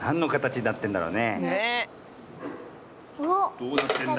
どうなってんだ？